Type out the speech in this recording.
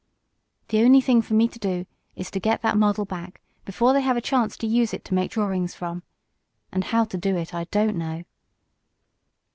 The only thing for me to do is to get that model back before they have a chance to use it to make drawings from. And how to do it I don't know."